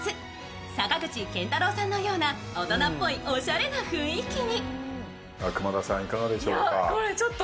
坂口健太郎さんのような大人っぽいおしゃれな雰囲気に。